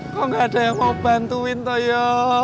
kok gak ada yang mau bantuin toyo